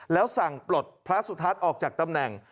แล้วสั่งปลดพระสุทัศน์ออกจากตำแหน่ง